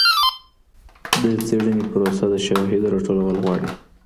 د څېړنې پروسه د شواهدو راټولول غواړي.